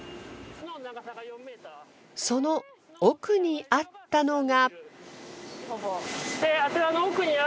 その奥にあったのが。